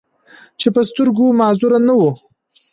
چې پۀ سترګو معذور نۀ وو،